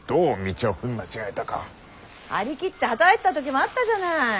張り切って働いてた時もあったじゃない。